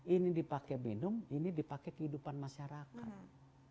ini dipakai minum ini dipakai kehidupan masyarakat